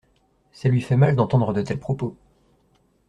Ça lui fait mal d’entendre de tels propos.